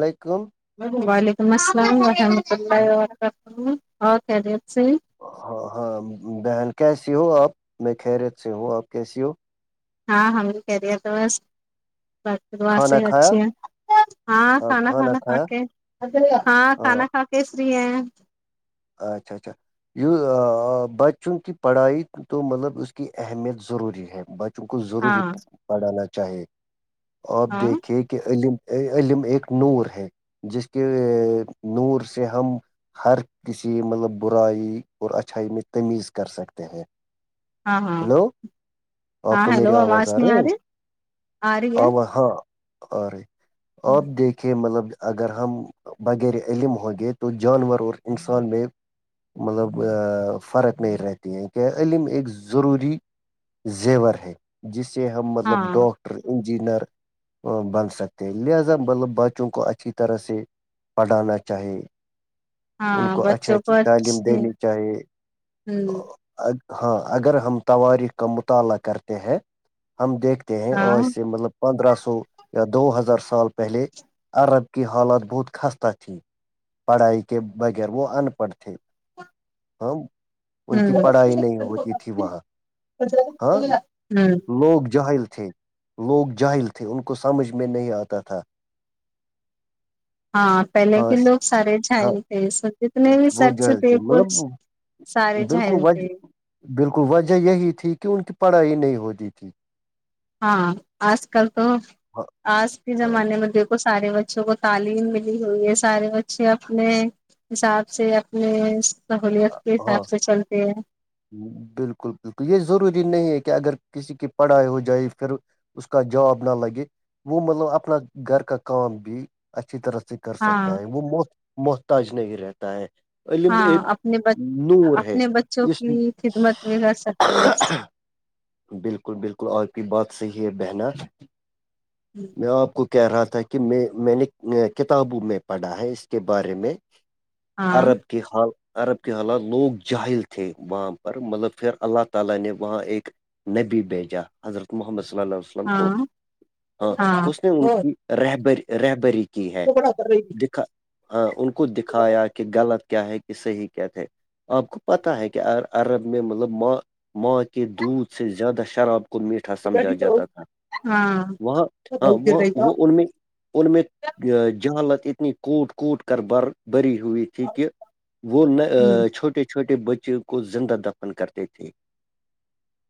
علیکم وعلیکم السلام ورحمۃ اللہ ورکاتہ اور خریت سے ہاں ہاں بہن کیسی ہو آپ میں خریت سے ہوں آپ کیسی ہو ہاں ہم نے کہہ دیا تو بس بس وا سے کھانا کھایا اچھے ہاں کھانا کھانا کھا کے ہاں کھانا کھا کے کیس رہ ہے [unintelligible] اچھا اچھا ی بچوں کی پڑھائی تو مطلب اس کی اہمیت ضروری ہے کو ضروری ہاں پڑھانا چاہے اپ ہاں دیکھیں کہ کہ ع علم ایک نور ہے [unintelligible] جس کے نور سے ہم ہر کسی مطلب برائی اور اچھائی میں تمیز کر سکتے ہیں ہاں ہاں ہلو آپ کو میری آواز آ رہی ہے آ رہی آو ہاں [unintelligible] ارے ہے آپ دیکھ [unintelligible] کہ مطلب اگر ہم بغیر علم ہوں گے تو جانور اور انسان میں مطلب فرق نہیں رہتی ہیں کہ علم ایک ضروری زیور ہے جس سے ہم ہاں مطلب ڈاکٹر انجینئر [inaudible] ان ہاں کو اچھی بچوں کو اچھی تعلیم دینی چاہیے ہوں ہاں اگر ہم تاریخ کا مطالعہ کرتے ہیں ہم دیکھ کہیں ہاں اور اس سے مطلب پندرہ سو یا دو ہزار سال پہلے عرب کی حالات بہت خستہ تھی پڑھائی کے بغیر وہ ان پڑھ تھے ہم ان کی ہوں پڑھائی نہیں ہوتی تھی وہاں ہاں ہوں لوگ جاہل تھے لوگ جاہل تھے ان کو سمجھ میں نہیں آتا تھا ہاں پہلے ہاں کے لوگ سارے ہاں جل تھے س جتنے بھی وہ شخص جاہل تھے وہ مطلب سارے بالکل جھل تھے وجہ بالکل وجہ یہی تھی کہ ان کی پڑھائی نہیں ہوتی تھی ہاں آج کل تو ہاں آج کے ہاں زمان م [unintelligible] کو سارے بچوں کو تعلیم ملی ہوئی ہے سارے بچے اپنے حساب سے اپنے سہولیت کے ہاں حساب سے چلتے ہیں بالکل بالکل یہ ضروری نہیں ہے کہ اگر کسی کی پڑھائی ہو جائے پھر ا اس کا جاب نہ نہ لگے وہ مطلب اپنا گھر کا کام بھی اچھی طرح س [unintelligible] کر سکتا ہاں ہے وہ محت محتاج نہیں رہتا ہے علم ہاں ایک اپنے ب نور ہے اپنے بچوں اس کی خدمت بھی کر سکتے ہیں بالکل بالکل اور کی بات صحیح ہے بہنا میں آپ کو کہہ رہا تھا کہ میں میں نے کتابوں میں پڑھا ہے اس کے بارے میں ہاں عرب [unintelligible] کے حال عرب کے حالات لوگ جاہل تھے وہاں پر مطلب پھر نے وہاں ایک نبی بیجا حضرت محمد ص ال ہاں ہاں اس نے ان کی رہبری رہبری کی ہے دکھا ہاں ان کو خ دکھایا کہ غلط کیا ہے کہ صحیح کیا تھے آپ کو پتہ ہے کہ عرب میں مطلب ماں ماں کے دودھ سے زیادہ شراب کو میٹھا سمجھا جاتا تھا ہاں وہاں ہاں وہ وہ ان میں [unintelligible] ان میں جہالت اتنی کوٹ کوٹ کر ب بری ہوئی تھی تھی کہ وہ چھوٹے چھوٹے بچے کو زندہ دفن کرتے تھے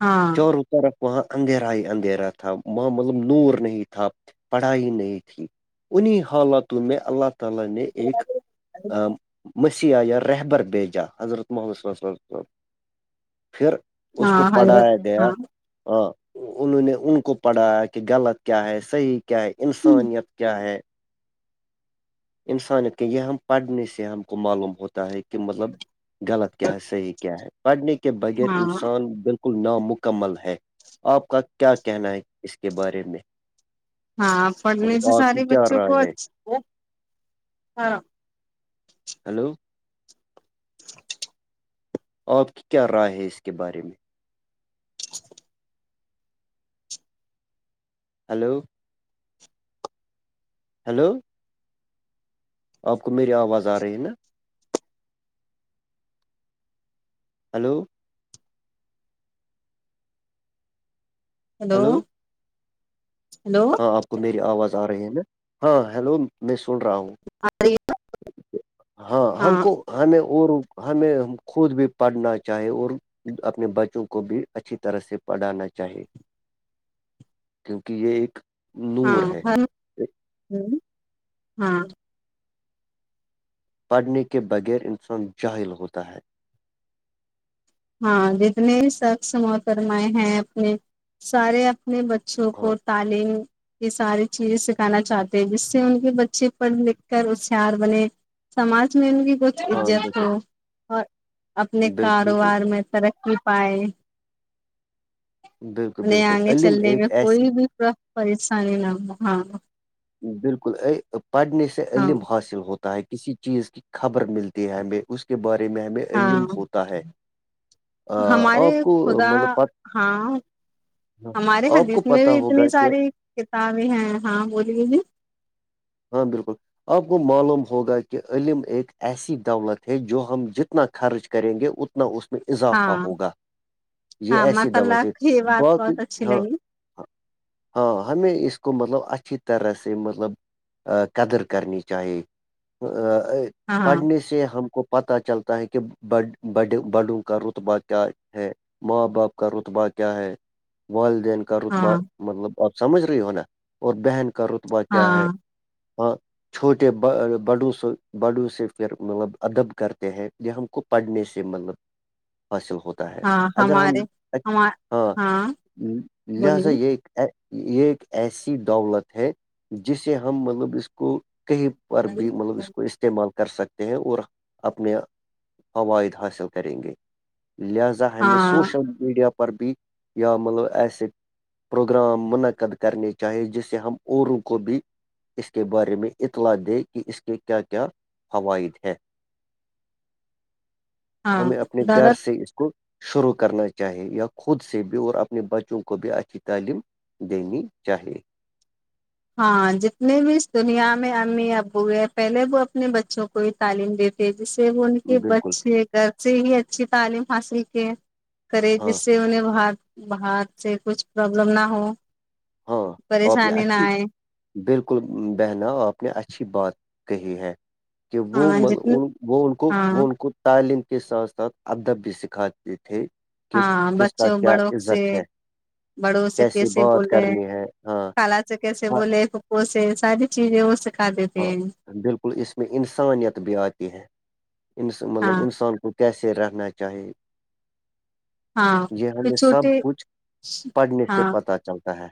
ہاں چاروں طرف وہاں اندھیرا ہی اندھیرا تھا وہب نور نہیں تھا پڑھائی نہیں تھی انہیں حالاتوں میں اللہ ت تل نے ایک [unintelligible] مسیح یا رہبر بیچا حضرت محمدب پھر اس کو ہاں ہاں حضرت پڑھایا گیا ہاں ہ انہوں نے ان کو پڑھایا کہ کہ غلط کیا ہے صحیح کیا ہے انسانیت کیا ہے انسانیت کے یہ ہم پڑھنے سے ہم کو معلوم ہوتا ہے کہ مطلب غلط کیا ہے صحیح کیا ہے پڑھنے کے بغیر ہاں انسان بالکل نامکمل ہے آپ کا کیا کہنا ہے اس کے بارے میں ہاں پڑھنے مطلب سے آپ کی سارے کیا بچوں کو رائے ہے اچ ہ ہلو آپ کی کیا رائے ہے اس کے بارے میں ہلو ہیلو آپ کو میری آواز آ رہی ہے نا ہلو ہیلو ہلو ہیلو آپ کو میری آواز آ رہی ہے نا ہاں ہیلو میں سن رہا ہوں ا ہاں ہم کو ہمیں اور ہمیں خود بھی پڑھنا چاہے اور اپنے بچوں کو بھی اچھی طرح سے پڑھانا چاہے کیونکہ یہ ایک ہاں نور ہے ہ ہوں ہاں پڑھنے کے بغیر انسان جاہل ہوتا ہے ہاں جتنے شخص موترمائے ہیں اپنے سارے اپنے بچوں ہاں کو تعلیم یہ ساری چیزیں سکھانا چاہتے ہیں جس سے ان کے بچے پڑھ لکھ کر ہوشیار بنے سماج میں ان کی کچھ ہاں عزت بالکل ہو اور اپنے بالکل بالکل کاروبار میں ترقی پائے بالکل انہیں بالکل آگے علم چلنے میں ایک ایسی کوئی بھی پریشانی نہ ہواں بالکل ا پڑھنے سے علم حاصل ہوتا ہے کسی چیز کی خبر ملتی ہے ہمیں اس کے بارے میں ہمیں علم ہاں ہوتا ہے آ، ہمارے آپ کو خدا مطلب پ ہاں ہمارے آپ کو حدیث میں پتا بھی ہوگا اتنی کہ ساری کتابیں ہیں ہاں بولیے جی ہاں بالکل آپ کو معلوم ہوگا کہ علم ایک ایسی دولت ہے جو ہم جتنا خرچ کریں گے اتنا ن اس میں ہاں اضافہ ہوگا یہ ہاں ایسی ماشاء اللہ دولت ہے کی یہ بات باقی بہت اچھی ہاں لگی ہاں ہمیں اس کو مطلب اچھی طرح سے مطلب قدر کرنی چاہیے ہاں پڑھنے سے ہم کو پتہ چلتا ہے کہ ب ب بڈوں کا رتبہ کیا ہے ماں باپ کا رتبہ کیا ہے والدین کا کا رتبہ ہاں مطلب آپ سمجھ رہی ہو نا اور بہن کا رتبہ کیا ہے ہاں ہاں چھوٹے ب بڑو سے بڑو سے پھر مطلب ادب کرتے ہیں یہ ہم کو پڑھنے سے مطلب حاصل ہوتا ہے ہاں اگر ہم ہمارے ا ہم ہاں لہذا بولیے یہ یہ ایک ایسی دولت ہے جسے ہم مطلب اس کو کہیں اور بھی مطلب اس کو استعمال کر سکتے ہیں اور اپنے فوائد حاصل کریں گے لہذا ہمش ہاں سوشل میڈیا پر بھی یا مطلب ایسے پروگرام منعقد کرنے چاہی جس سے ہم اوروں کو بھی اس کے بارے میں اطلاع دے کہ اس کے کیا کیا فوائد ہیں ہاں ہمیں اپنے گھر دولت سے اس کو شروع کرنا چاہی یا خود سے بھی اور اپنے بچوں کو بھی اچھی تعلیم دینی چاہیے ہاں جتنے بھی اس دنیا میں امی ابو ہے پہلے وہ اپنے بچوں کو بھی تعلیم دیتے جس سے وہ ان کے بالکل بچے گھر سے ہی اچھی تعلیم حاصل کی کرے ہاں جس سے انہیں بات بات سے کچھ پرابلم نہ ہو ہاں او اپنی پریشانی نہ اچھی آئے بالکل بہنا آپ نے اچھی بات کہی ہے کہ وہ ہاں جتنی وہ ان کو ہاں وہ ان کو تعلیم کے ساتھ ساتھ ادب بھی سکھاتے تھے کہ ہاں کس کا بچوں کیا بڑوں سے عزت ہے بڑوں سے کیسی کیسے بول بات ب کرنی ہے ہاں کال سے کیسے ہاں بولے پھوں سے ساری چیزیں ہو سک ہاں بالکل اس میں انسانیت بھی آتی ہے مطلب ہاں انسان کو کیسے رہنا چاہیے ہاں یہ تو ہمیں سب چھوٹے کچھ پڑھنے سے ہاں پتا چلتا ہے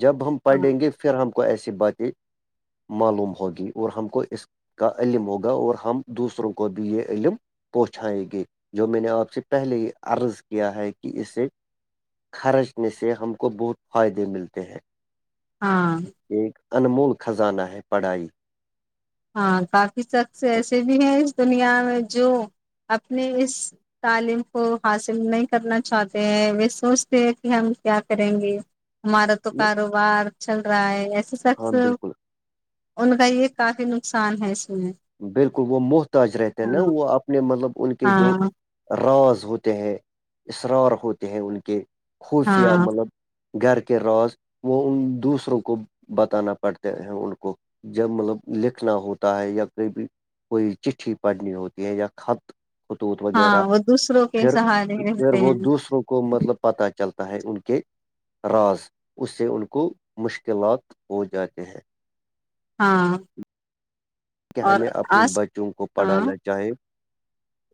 جب ہم ہاں پڑھیں گے پھر ہم کو ایسی باتیں معلوم ہوگی اور ہم کو اس کا علم ہوگا اور ہم دوسروں کو بھی یہ علم پہنچیں گی جو میں نے آپ سے پہلے ہی عرض کیا ہے کہ اسے خرچنے سے ہم کو بہت فائدے ملتے ہیں ہاں ایک انمول خزانہ ہے پڑھائی ہاں کافی شخص ایسے بھی ہیں اس دنیا میں جو اپنے اس تعلیم کو حاصل نہیں کرنا چاہتے ہیں وہ سوچتے ہیں کہ ہم کیا کریں گے ہمارا تو کاروبار چل رہا ہے ایسے ہاں شخص بالکل ان کا یہ کافی نقصان ہے اس میں بالکل وہ محتاج رہتے ہیں نا ہاں وہ اپنے مطلب ان کے جو ہاں راز ہوتے ہیں اسرار ہوتے ہیں ان کے خفیہ ہاں مطلب گھر کے روز وہ ان دوسروں کو بتانا پڑتے ہیں ان کو جب مطلب لکھنا ہوتا ہے یا بھی کوئی چٹی پڑھنی ہوتی ہے یا خط خطوط وغیرہ ہاں وہ دوسروں کے پھر سہارے پھر رہتے وہ ہیں دوسروں کو مطلب پتاہ چلتا ہے ان کے راز اس سے ان کو مشکلات ہو جاتے ہیں ہاں کہ اور ہمیں اپنے آس بچوں کو ہاں پڑھانا چاہے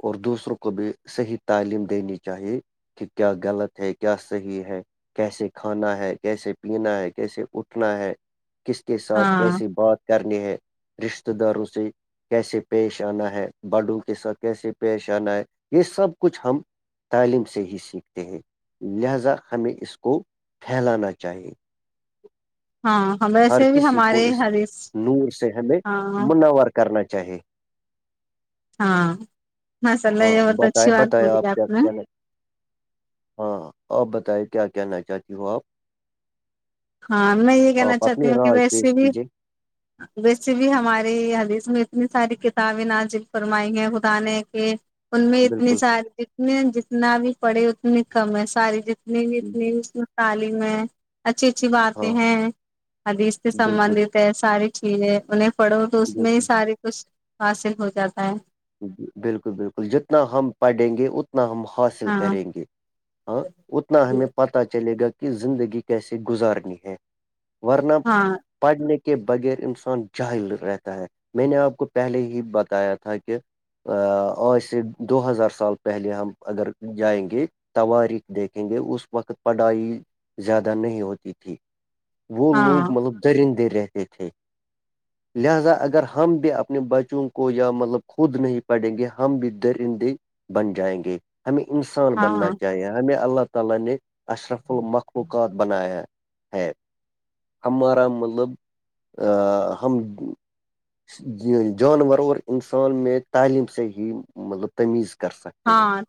اور دوسروں کو بھی صحیح تعلیم دینی چاہیے کہ کیا غلط ہے کیا صحیح ہے کیسے کھانا ہے کیسے پینا ہے کیسے اٹھنا ہے کس کے ساتھ ہاں کیسے بات کرنی ہے رشتے داروں سے کیسے پیش آنا ہے بڈو کے ساتھ کیسے پیش آنا ہے یہ سب کچھ ہم [inaudible] ہاں ہم ہر ویسے بھی کسی کو ہمارے اس حدیث نور سے ہمیں ہاں منور کرنا چاہیے ہاں ہاںسلہ ہاں یہ وہت اچھی بتائے بات بتایا بولی ہے آپ کیا نے کہنا ہاں آپ بتائے کیا کیانا چاہتی ہو آپ ہاں میں یہ کہنا آپ اپنی چاہتی ہوں کہ رائے ویسے پیش بھی کیجے ویسے بھی ہماری حدیث میں اتنی ساری کتابیں ناازل فرمائی ہیں خدا نے کے ان میں اتنی بالکل ساری جتنی جتنا بھی پڑے اتنی کم ہے ساری جنی نہیں اتنی اس میں تعلیم ہے اچھی اچھی باتیں ہاں ہیں ادھی اس سے بالکل سبندت ہے ساری چیزیں انہیں پڑھو تو اس میں ہی بالکل سارے کچھ حاصل ہو جاتا ہے بالکل بالکل جتنا ہم پڑھیں گے اتنا ہم حاصل ہاں کریں گے ہاں اتنا ہمیں پتا چلے گا کہ زندگی کیسے گزارنی ہے ورنب ہاں پڑھنے کے بغیر انسان جاہل رہتا ہے میں نے آپ کو پہلے ہی بتایا تھا کہ آج سے دو ہزار سال پہلے ہم اگر جائیں گے توارق دیکھیں گے اس وقت پڑھائی زیادہ نہیں ہوتی تھی وہ لوگ ہاں مطلب درندے رہتے تھے لہذا اگر ہم بھی اپنے بچوں کو یا مطلب خود نہیں پڑیں گے ہم بھی درندے بن جائیں گے ہمیں انسان بننا ہاں چاہیے ہمیں اللہ تال نے اشرف المخلوقات بنایا ہے ہمارا مطلب ہم جانور اور انسان میں تعلیم سے ہی مطلب تمیز کر سکتے ہاں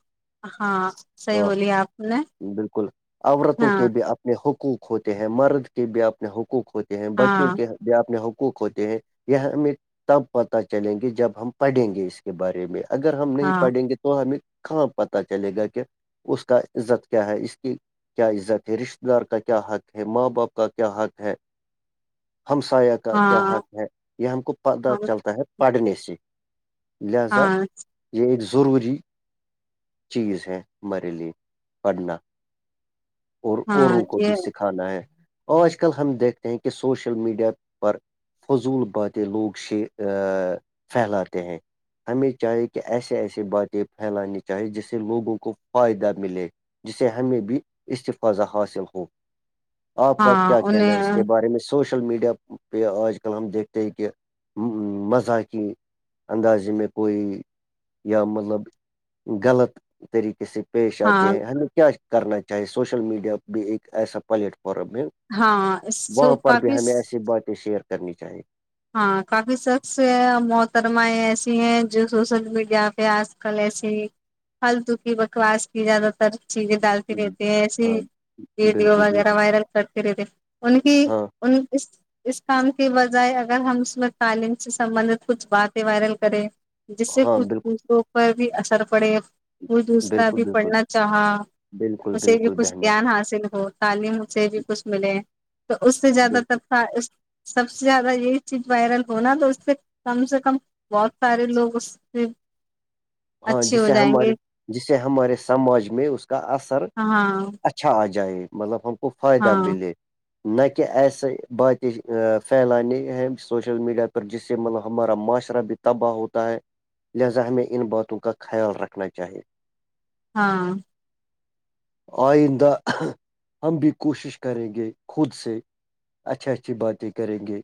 ہاں صحیح ہاں بولیے آپ نے بالکل عورتوں ہاں کے بھی اپنے حقوق ہوتے ہیں مرد کے بھی اپنے حقوق ہوتے ہیں بچوں ہاں کے جو اپنے حقوق ہوتے ہیں یہ ہمیں تب پتہ چلیں گے جب ہم پڑھیں گے اس کے بارے میں اگر ہم نہیں ہاں پڑھیں گے تو ہمیں کہاں پتا چلے گا کہ اس کا عزت کیا ہے اس کی کیا عزت ہے رشتتے دار کا کیا حق ہے ماں باپ کا کیا حق ہے ہمسایہ کا کیا ہاں حق ہے یہ ہم کو پت چلتا ہے پڑھنے سے لہذا ہاں یہ ایک ضروری چیز ہے ہمارے لیے پڑھنا اور ہاں اوروں کو بھی یہ سیک کھانا ہے اور آج کل ہم دیکھتے ہیں کہ سوشل میڈیا پر فضول باتیں لوگ ش پھیلاتے ہیں ہمیں چاہیے کہ ایسے ایسیے باتیں پھیلانی چاہی جس سے لوگوں کو فائدہ ملے جسے ہمیں بھی استفاظہ حاصل ہو آپ کا ہاں کیا کہنا ہے اس انہیں کے بارے میں سوشل میڈیا پہ آج کل ہم دیکھتے ہیں کہ مذا کیی اندازے میں کوئی یا مطلب غلط طریقے سے پیش آتے ہاں ہیں ہمیں کیا کرنا چاہیے سوشل میڈیا بھی ایک ایسا پلیٹ فارم ہے ہاں وہاں سو پر بھی کافی ہمیں ایسی باتیں شیئر کرنی چاہیے ہاں کافی سخص محترمائیں ایسی ہیں جو سوشل میڈیا پہ آج کل ایسی پلتو کی بکواس کی زیادہ تر چیزیں ڈالتی ہوں، رہتی ہیں ایسی ہاں ویڈیو بالکل وغیرہ بالکل وائرل کرتی رہتے ان کی ہاں ان اس اس کام کی بجائے اگر ہم اس میں تعلیم سے سبندت کچھ باتیں وائرل کریں جس سے ہاں کچھ بالکل دوسروں پر بھی اثر پڑے کو دوسرا بالکل بھی بالکل پڑھنا چاہا بالکل اسے بھی بالکل کچھ بہنا گیان حاصل ہو تعلیم سے بھی کچھ ملے ہیں تو اس سے زیادہ تر بالکل سب سے زیادہ یہ چز وائرل ہونا تو اس سے کم سے کم بہت سارے لوگ اس ہاں اچھے ہو جسے جائیں ہمارے گے جسے ہمارے سماج میں اس کا اثر اچھا ہاں اچھا آ جائے مطلب ہم کو فائدہ ہاں ملے نہ کہ ایسے باتیں پھیلانے ہیں سوشل میڈیا پر جس سے مطلب ہمارا معاشرہ بھی تباہ ہوتا ہے لہذا ہمیں ان باتوں کا خیال رکھنا چاہیے ہاں آئندہ ہم بھی کوشش کریں گے خود سے اچھا اچھی باتیں کریں گے